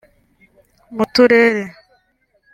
mu Turere